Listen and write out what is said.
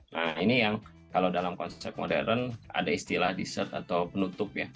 nah ini yang kalau dalam konsep modern ada istilah dessert atau penutup ya